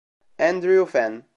Andrew Fenn